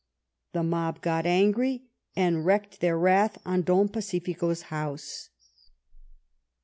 The mob got angry, and wreaked their wrath on Don Pacifico's house.